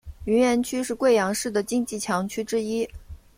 云岩区是贵阳市的经济强区之一。